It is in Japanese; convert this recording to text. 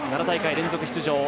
７大会連続出場